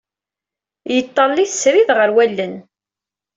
Yeṭall-it srid ɣer wallen.